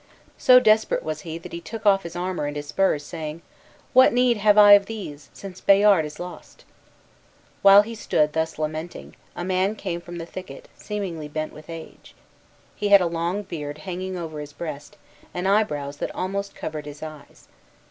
So desperate was he that he took off his armor and his spurs, saying, "What need have I of these, since Bayard is lost?" While he stood thus lamenting, a man came from the thicket, seemingly bent with age. He had a long beard hanging over his breast, and eyebrows that almost covered his eyes.